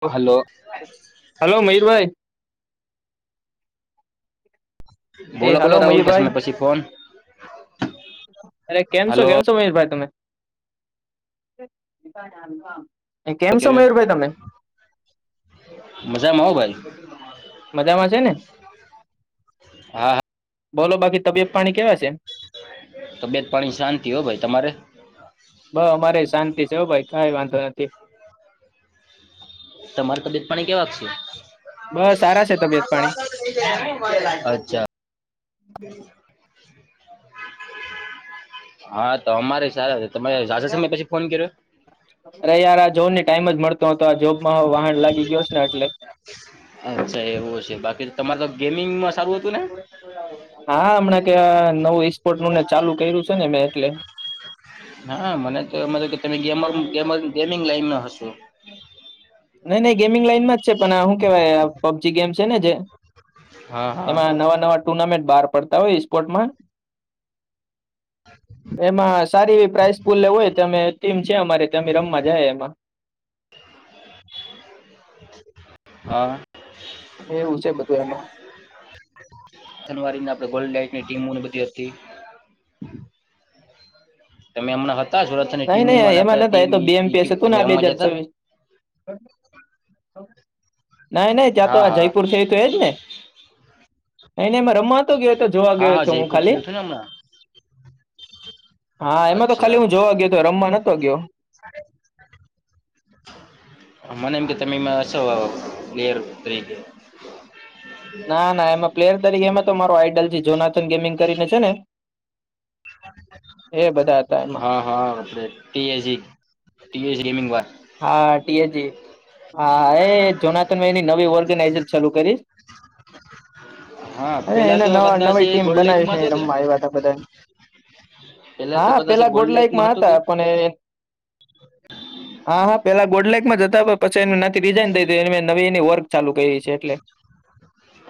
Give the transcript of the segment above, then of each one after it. Hello hello મયુરભાઈ એ બોલો બોલો હલો રાહુલ બસમ મયુરભાઈ પછી ફોન અરે કેમ છો હલો કેમ છો મહેશ ભાઈ તમે. [inaudible] એ કેમ છો કર્યો. મયુરભાઈ તમે. મજામાં હો ભાઈ મજામાં છે ને. હા બોલો બાકી તબિયત પાણી કેવા છે. તબિયત પાણી શાંતિ હો ભાઈ તમારે? બ અમારે શાંતિ છે હા ભાઈ કઈ વાંધો નથી. તમારે તબિયત પાણી કેવા છે? બસ સારા છે તબિયત પાણી [inaudible] અચ્છા. હા અમારે જ અરે યાર આ જોને ટાઈમ જ મળતો ન હતો આ જોબ [unintelligible] વાહન લાગી ગયો છે આટલે. અચ્છા એવું છે બાકી તમારે તો ગેમિંગમાં સારું હતું ને હા હમણા ક આ નવું ઈસ્પોર્ટ નું ચાલુ કર્યું છે ને મેં એટલે હા મને તો મને તો કે તમે ગેમર-ગમેર ગેમિંગ લાઈનમાં હશો. નહી નહી ગેમિંગ લાાઈન માં જ છે પણ આ હુ કેવાય પબજી ગેમ છે ને જે હા હા એમાં નવા નવા ટુર્નામેન્ટ બહાર પડતા હોય ઈસ્પોર્ટમાં એમાં સારી એવી પ્રાઇસ પુલ્લે હોય તે અમે ટીમ છે અમારે તમે રમવા જાય એમાં. હા. એવું છે બધું એમાં જનુઆરીના આપડે ગોલડાઇટ ટીમું ને બધી હતી. તમે હમણાં હતા સુરતની નહી ટીમોમાં નહી ને એમાં આપણે નતા ટીમ એતો ઈ બે એમ ઈ પેસ ટીમ હતું તમે ના બે રમવા હજાર જતા છવીસ [inaudible] નાહિ નહિ ત્યાં તો હા આ હા જયપુર છે એ તો એજ ને. નઈ નઈ મા રમમાતો નતો ગયો હતો એતો જોવા હા ગયો હા હતો હું જયપુર ખાલી. થયું હતું ને હમણાં હા એમાં તો ખાલી અચ્છા હું જોવા ગયો તો રમમાં નતો ગયો. મને એમ કે તમેમાં હશો પ્લેયર તરીકે. ના ના એમાં પ્લેયર તરીકે એમાં તો મારો આઈડલ છે જોનાથન ગેમિંગ કરીને છે ને. એ બધા હતા એમાં હા હા એટલે T A G T A G gaming વાર હા ટી એ જી. હા એ જનાથન ભાઈ ની નવી ઓર્ગેનાઈઝેશન સરું કરી. હા અરે પેલા એને તો નવા કદાચ નવી એ ટીમ ગોલ્ડ બનાવી લેકમાં હતો છેને કે રમવા આવ્યા ત બધા. પેલા તો હા કદાચ એ પેલા ગોલ્ડ ગોડલાઇક લેકમાં માં હતો કે હતા પણે એ હા હા પેલા ગોડ લાઇકમાં જતા પ પછે એન નાથી રિઝાઈન દઈદે નવી એની વર્ક ચાલુ કરી. છે એટલે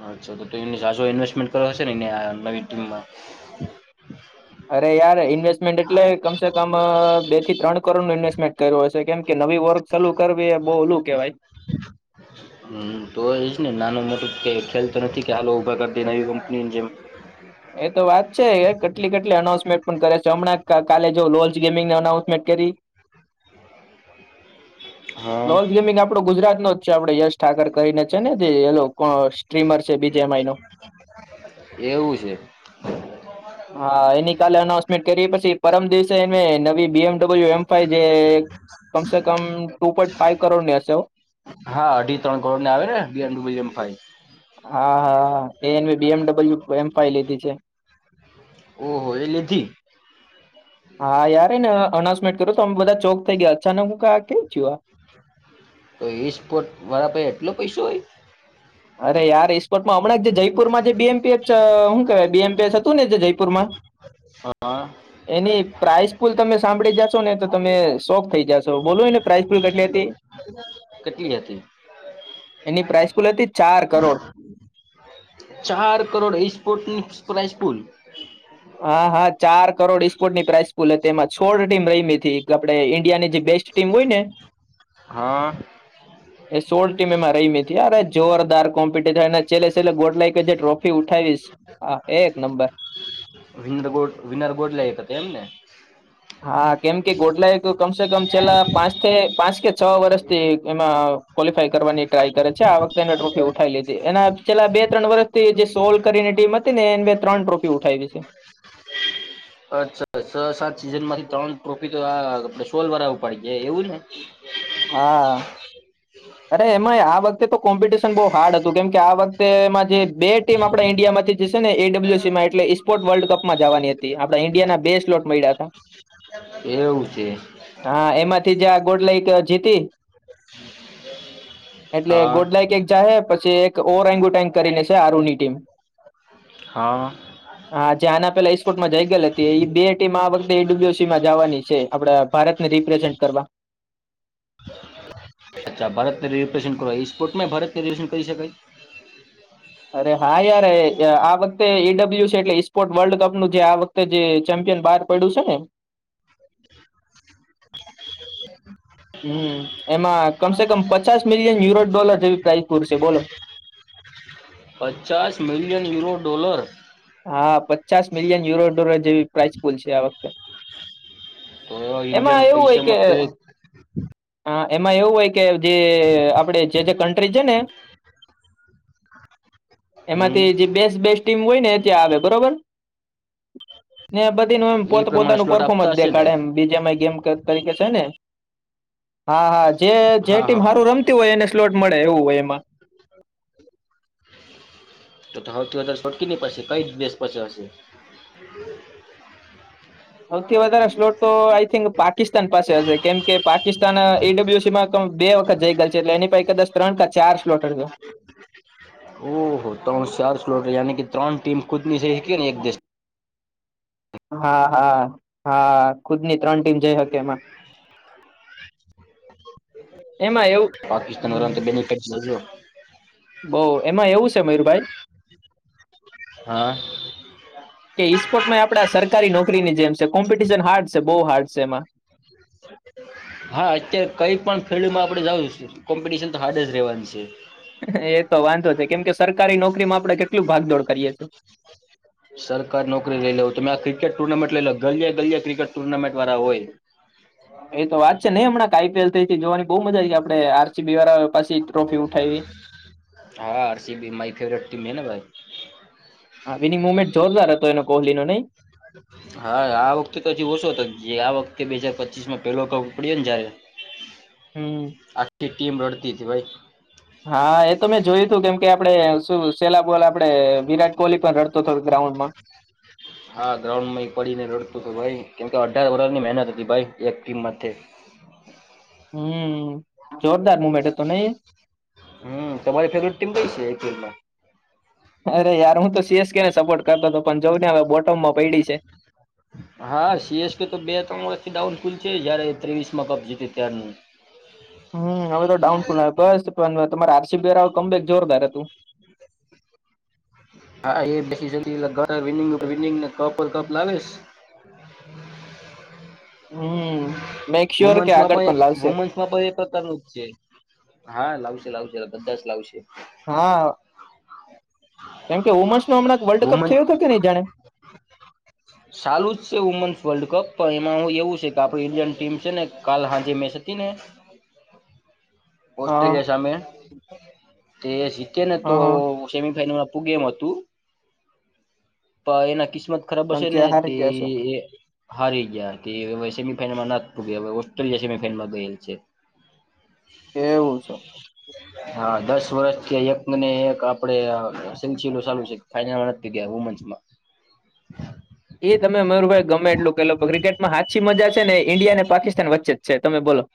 અચ્છા તો તેની સાચો ઇન્વેસ્ટમેન્ટ કરો છો એની આ નવી ટીમમાં. અરે યાર ઇન્વેસ્ટમેન્ટ એટલે કમસે કમ બે થી ત્રણ કરોડ નું ઇન્વેસ્ટ મે કઇર્યો હોય છે કેમ કે નવી વર્ક સાલુ કરવી એ બઉ ઓલું કેહેવાય. હમ્મ તો એજ ને નાનું મોટું કે ખેલ તો નથી ક્યા હાલો ઉભર કરતી નવી કંપનીની જેમ. એ તો વાત છે કેટલી કેટલી અનાઉન્સમેન્ટ પણ કરે છે હમણાં કા-કાલે જો લોજગેમિંગને અનાઉન્સમેન્ટ કરી. હા લોશ ગેમિંગ આપડો ગુજરાતનો જ છે. આપડે યશ ઠાકર કરીને છે ને જે એ લોક અ સ્ટ્રીમર છે. બીજે માઈનો. એવું છે. હા એની કાલે અનાઉન્સમેન્ટ કરી પછી પરમ દિવસે એને નવી B M W M five જે કમ સે કમ ટુ પોઈન્ટ ફાઇવ કરોડની હશે હો. હા અઢી-ત્રણ કરોડની આવે ને બી એમ ડબ્લ્યુ એમ ફાઈ. હા હા એને B M W M five લીધી છે. ઓહો એ લીધી. હા યાર એન અનાઉન્સમેન્ટ કરયુ તો અમ બધા ચોક થઈ ગયા અચાનક હું કા કેવું થયું આ તો ઈસ્પોટ વારા પાહે એટલો પૈસો હોય? અરે યાર ઈ [inaudible] હમણા જે જયપુરમાં જે બીએમપીએચ હુ કેવાય બીએમપીએચ હતું ને જે જયપુરમાં હા. એની પ્રાાઈઝ પુલ તમે સાંભળી જાશો ને તો તમે શોક થઈ જા તો બોલુ એની પ્રાઇસ પુલ કેટલી હતી. કેટલી હતી? એની પ્રાઇસ પુલ હતી ચાર કરોડ. ચાર કરોડ ઈ સ્પોટનિક્સ પ્રાઇસ પુલ [inaudible] હા, હા ચાર કરોડ ઇસ્પોર્ટની પ્રાઇસ પૂલ હતી એમાં છોળ ટીમ રયમીથી આપડે ઈન્ડિયાની જે બેસ ટીમ હોય ને હા. એ સોળ ટીમ એમાં રયમીતી અરે જોરદાર કોમ્પિટિશન અને છેલ્લે-છેલ્લે ગોડલાયકે જે ટ્રોફી ઉઠા વીસ હા એક નંબર વિનર ગોડ વિનર ગોડલાયક હતે એમને? હા કેમ કે ગોડલાકે તો કમસે કમ છેલ્લા પાંચથી પાંચ કે છ વર્ષથી એમાં કોલીફાઈ કરવાની ટ્રાય કરે છે, આ વખતે એને ટ્રોફી ઉઠાવી લીધી એના છેલ્લા બે-ત્રણ વર્ષથી જે સોલ્વ કરીને ટીમ હતીને એમને ત્રણ ટ્રોફી ઉઠાયવી છે. અચ્છા છ-સાત સીઝનમાંથી ત્રણ ટ્રોફી તો આ આપડે સોલ વારા ઉપાડી ગયા એવું ને? હા અરે એમાય આ વખતે તો કોમ્પિટિશન બો હાર્ડ હતું કેમ કે આ વખતે એમાં જે બે ટીમ આપડે ઇન્ડિયામાં માંથી જશે ને એડબ્લ્યુએસીમાં એટલે ઈ સ્પોર્ટ વર્લ્ડ કપમાં જવાની હતી આપડા ઈન્ડિયાના બે સ્લોટ મળ્યા તા એવું છે હા એમાંથી જા ગોડલાઈક જીતી. એટલે હા. ગોડલાઈક એક ચાહે પછી એક ઓરેંગુટેંગ કરીને છે, આરુની ટીમ હા. હા જે આના પેલા ઈસ્ફૉટમાં જઈ ગલ હતી. એ બે ટીમ આ વખતે એડબલ્યુસીમાં જાવાની છે., આપડા ભા રતને રીપ્રેસેન્ટ કરવા. અચ્છા ભારતને રિપ્રેઝન્ટ કરવા ઈસ્પોર્ટમાય ભારતને રીપ્રેઝન્ટ કરી શકાય. અરે હા, યાર અ આ વખતે ઈડબલ્યુ છે, એટલે ઇસ્પોર્ટ વર્લ્ડ કપનું જે આ વખતે જે ચેમ પ્યન બહાર પડ્યું શે ને [inaudible] હમ એમાં કમસે કમ પચાસ મિલિયન યુરો ડોલર જેવી પ્રાઇઝ પૂરશે બોલો. [inaudible] પચાસ મિલિયન યુરો ડોલર હા પચાસ મિલિયન યુરો ડોલર જેવી પ્રાઇસ પુલ છે, આ વખતે તો ઇન્ડિયન એમાં એવું હોય કે પૈસામા તોએ હા એમાં એવું હોય કે જે આપડે જે જે કન્ટ્રી છે, ને હમ્મ. એમાંથી જે બેસ્ટ બેસ્ટ ટીમ હોયને ત્યાં આવે બરોબર ને બધીનું એમ એ પ્રમાણે પોત-પોતાનું સ્લોટ પરફોર્મન્સ આપતા હશે ને. દેખાડે એમ બીજે એમાય ગેમ તરીકે છે, ને હા હા જે જે હા ટીમ હા હા. હારું રમતી હોય એને સ્લોટ મળે એવું હોય એમાં તો તો હૌથી વધારે છોટકી ની પડશે કઈ દેશ પછી હશે સૌથી વધારે સ્લોટ તો આ થિંક પાકિસ્તાન પાસે હશે કેમ કે પાકિસ્તાન એઇડબલ્યુસીમાં તો બે વખત જઈ ગલ છે, એટલે એની [unintelligible] કદાચ ત્રણ કા ચાર સ્લોટ [unintelligible] ઓહો ત ચાર સ્લોટ યાની કી ત્રણ ટીમ ખુદની સહી શકી ને એક દેશ હા હા હા ખુદની ત્રણ ટીમ જઈ હકે એમાં એમાં એવું પાકિસ્તાન હમ વાળાને તો બેની કરી જજો બહ એમાં એવું છે મયુરભાઈ. હા. કે ઈસ્પોર્ટમાં આપડા સરકારી નોકરીની જેમ છે કોમ્પિટિશન હાર્ડ છે બહુ હાર્ડ છે એમાં. [inaudible] હા અત્યારે કઈ પણ ફિલ્ડમાં આપડે જ કોમ્પિટશન તો હાડ જ રવાની છે. એ તો વાંધો છે કેમ કે સરકારી નોકરીમાં આપડણે કેટલું ભાગદોડ કરીય તો. સરકાર નોકરી લઈ લે તમે આ ક્રિકેટ ટુર્નામેન્ટ લઈ લ ગલિયા ગલિયા ક્રિકેટ ટુર્નામેન્ટ વાળા હોય. એ તો વાત છે નહ હમણાં આઈ પી એલ થઈથી જોવાની બઉ મજા આ ગઈ આપે આર સી બી વાળા પાછી ટ્રોફી ઉઠાવી. હા આર સી બી મારી ફેવરેટ ટીમ હે ને ભાઈ. હા વિની મુમેન્ટ જોરદાર હતો એનો કોહલી નો નહી. હા આ વખતે તો હ ઓછો તો જે આ વખતે બે હજાર પચીસ માં પેલો કપ ઉપડ્યો ને જયારે. હમ. આખી ટીમ રોડ દી હતી ભાઈ. હા એ તો મેં જોયું તું કેમ કે આપડે શું સેલા બોલ આપડે વિરાટ કોહલી પણ રડતો હતો. ગ્રાઉન્ડમાં. હા ગ્રાઉન્ડ માં પડીને રડતું હત ભાઈ કેમકે અઢાર ઓવર ની મહેનત હતી ભાઈ એક ટીમ માટે. હમ. જોરદાર મુ બેઠ તો નહી એ. હમ તમારી ફેવરેટ ટીમ કઈ છે આઈપીએલમાં? અરે યાર હું તો સી એસ કે ને સપોર્ટ કરતો હતો પણ જોઉંને હવે બોટમમાં પૈડી છે. હા સી એસ કે તો બે ત્રણથી ડાઉન કુલ છે જય્યારે એ ત્રેવીસમાં કપ જીત ત્યાર નહીં. હમ હવે તો ડાઉન ફુલ બસ પણ તમારે આર સી બી કમબેક જોરદાર હતું. હા એ [unintelligible] કપ કપ લાવે. [inaudible] હમ મેક શ્યોર કે વુમેન્સમાં આગળ પણ લાવશે. વુમેન્સમાં પણ એ પ્રકારનું જ છે. હા લાવશે લાવશે બધા જ લાવશે. હા. કેમકે વુમન્સ નો હમણાં વર્લ્ડ કપ થયો હતો કે નહી જાણે. ચાલુ જ છે વુમેન્સ વર્લ્ડ કપ. પણ એમાં હું એવું છે કે આપ ઇન્ડિયન ટીમ છે ને કાલ હાજે મેચ હતી ને. હા ઓસ્ટ્રેલિયા સામે, તે જીતે ને તો હા હા સેમીફાઈનલમાં. ગેમ હતું, એના ક કિસ્મત ખરાબ પણ હશે ને ત્યાં હારી તે ગયા એ હારી ગયા કે હવે સેમીફાઈનલમાં ના પગ હવે ઓસ્ટ્રેલિયા સેમીફાઈનલમાં ગયેલ છે. [inaudible] એવું છે હા દસ વર્ષથી એક ને એક આપડે સલસીલો સારુ છે ખાઈમાં નથી ગયા વુમન્સ માં. એ તમે મયુરભાઈ ગમે એટલું કેહેલો ક્રિકેટમાં હાછી મજા ને ઇન્ડિયા ને પાકિસ્તાન વચ્ચે જ છે તમે બોલો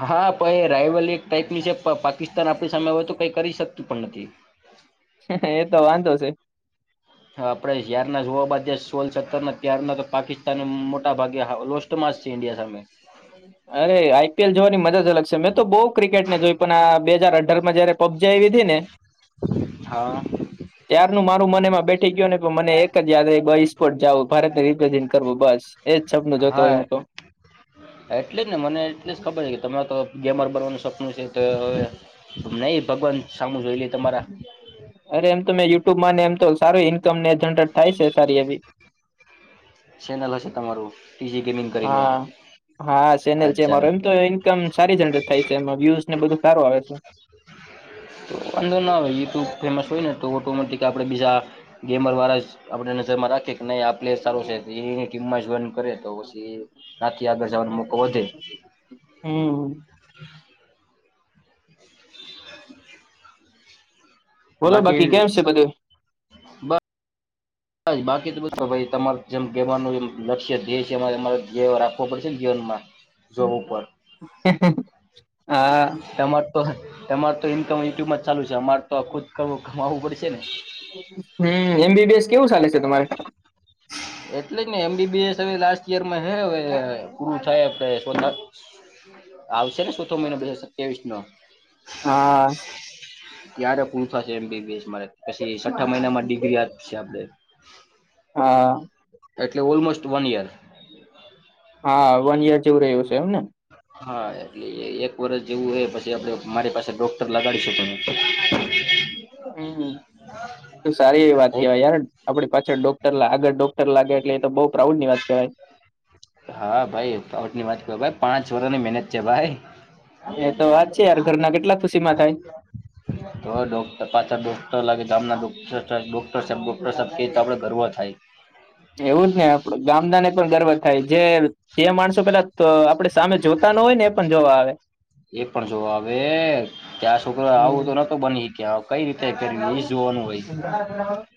હા પણ એ રાયવલ એક ટાઈપની છે પ- પાકિસ્તાન આપણી સામે હોય તો કઈ કરી શકતું પણ નથી. એતો વાંધો છે. આપણે હયારના જોવા બાદ સોલ સત્તરના ત્યારના પાકિસ્તાન મોટાભાગે લોસ્ટ માસ્ છે ઇડિયા સામે અરે આઈપીએલ જોવાની મજા જ અલગ છે મેં તો બઉ ક્રિકેટ ને જોઈ પણ આ બે હાજર અઢાર માં જય પબજી આવી હતી ને હા મનેમાં બેઠી ગયો ને મને એક જ યાદસ્પોટ જવો ભારત ને રિપ્રેઝેન્ટ કરવું બસ એજ શબ્દ ન જોતો હોય હા હું તો એટલે જ ને મને એટલે જ ખબર છે કે તમે તો ગેમર બનવાનું સપનું છે. તો હવે નહી ભગવાન સામું જોઈ લીધ અરે એમ તમે યુટ્યુબમાં ને એમ તો સારું ઇન્કમ ને જનરેટ થાય છે સારી એવી સેનલ હશે તમારું સ્મિંગ કરીને હા હા ચેનલ છે અચ્છા મારો એમ તો ઈન્કમ સારી જનરેટ થાય છે એ વ્યુઝને બધું સારું આવે છે [inaudible] તો અંધો ના હોઈ તું ફેમસ હોય ને તો ઓટોમેટિક આપણે બીજા ગેમર વાળા જ આપણે નજરમાં રાખીએ નહી આ પ્લેયર સારો છે એની ટીમમાં જ વન કરે તો પછી રાત આગળ જવાનો મોકો વધે હમ બોલો બાકી કેમ છે બધું બ હા બાકી તો બ તમારે જેમ કવાનું લક્ષ્ય ધ્યય છેરે રાખવો પડેશે ને હમાં હા તમાર તો તમાર તો ઇન્કમ યુટ્યુબ જ ચાલુ છે અમારે તો આ ખુદ કરવું કમાવું પડેશે ને હમ એમબીબીએસ કેવું ચાલે છે તમારે એટઈને એમબીબી એસ હવે લાસ્ટ યરમાં હ હવે પૂરું થાય આપ સોના આવશે ને ચોથો મહિનો બે હજાર ત્રેવીસ નો હા ત્યારે પૂર એમબીબીએસ મા પછી છઠ્ઠા મહિનામાં ડિગ્રી આપશે આપડ હા એટલે ઓલમોસ્ટ વન ઇયર હા વન યર જેવું રહ્યું છે એમ ને હા એટલે એક વરષ જેવું હોય પછી આપડે મારી પાસે ડોક્ટર લગાડી શકો હમ સારી એવી વાત કેહેવાય યાર આપડી પાછળ ડોક્ટર આગળ ડોક્ટર લાગે એટલે તો બહુ પ્રાઉડ ની વાત કહેવાય હા ભાઈ ફઉટ ની વાત કર ભ પાંચ વર ની મહેનત છે ભાઈ એ તો વાત છે યાર ઘરના કેટલા ખુશીમાં થાય. તો ડોકર પાછા તો લે ગામોક્ટર સા ડોક્ટર સાબ આપડે ગરવ થાય એવું જ ને આપડ ગામડા ને પણ ગરવ થાય જે જે માણસ પેલા આપે સામે જોતા ન હોય ને એ પણ જોવા આવે એ પણ જો હવે ત્યાં છોકરો આવું તો નતો બની શક્યા કઈ રીતે કર્યું એ જોવાનું હોય.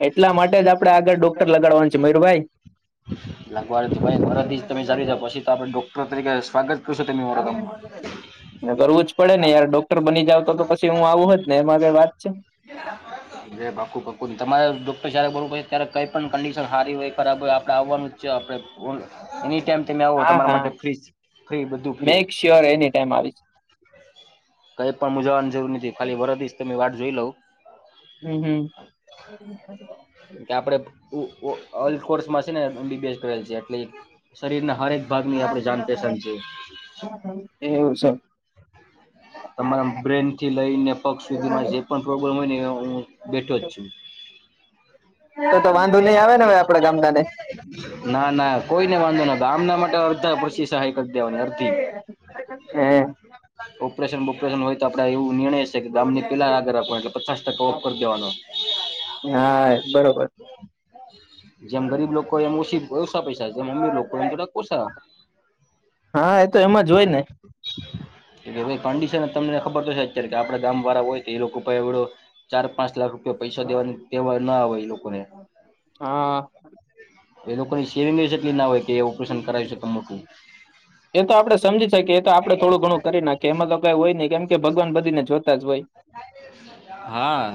એટલા માટે જ આપડે આગળ ડોક્ટર લગાડવાનું છે મયુરભાઈ [inaudible] લાગવાડ ભ તરથી જ તમે ચા જ પછી તો આપણે ડોક્ટર તરીકે સ્વાગત કરશું ત માર ગમનું કરવું જ પડે ને યાર ડોક્ટર બની જાવ તો પછી હું આવું હો જ ને એમાં વાત છે. પાક્કું પાક્કુ તમારે ડોક્ટર જારે બોલવું પડે ત્યારે કઈ પણ કંડિશન સારી હોય બરાબર આપડે આવવાનું જ છે આપે એની ટાઈમ તમે આવો તો હા તમારા હા માટે ફ્રીજ ફ્રી બધું ફ્રી. તે ટાઈમ આવી કઈ પણ મુજાવાની જરૂર નથી ખાલી વરશ તમે વાત જોઈ લઉ. હમ હમ. કે આપણે છે ને એબ કરેલ છે [unintelligible] એટલે શરીર ના હરેક વિભાગ ની આપે જાણપેહેચણ છે. એવું છે. તમારા બ્રેન થી લઈને પક્ષ સુધીમાં જે તો પણ પ્રોબ્લેમ હોયને એ હું બેઠો જ છું. તો તો વાંધો નહી આવે ને હવે આપડા ગામડા ને. ના ના કોઈને વાંધો નતો આમના માટે અર્ધા પી સહાય કરી દેવાની અડધી. હે ઓપરેશન બપરેશન હોય તો આપડે એવું નિર્ણય ગામની પેલા આગળ રાખવા એટલે પચાસ ટકા ઓફ કરી દેવાનો. બરાબર. [inaudible] જેમ ગરીબ લોકો હોય એમ ઓછી ઓછા પૈસા જેમ અમીર લોકોય એમ તો ઓછા. હા એ તો એમાં જ હોય ને. કે ભાઈ કન્ડિશન તમને ખબર તો છે અત્યારે કે આપડાે દામ વાળા હોય તો એ લોકોળો, ચાર પાંચ લાખ પૈસા દેવા દવા ના આવે એ લોકો. હા. એ લોકોની સેવિંગ એ એટલી ના હોય કે એ ઓપરેશન કરાવી શકે મોટું. એ તો આપડણે સમજી શકીએ એ તો આપડે થોડું ઘણું કરી નાખએ એમાં તો કઈ હોય નહી કેમ કે ભગવાન બધીને જો હા.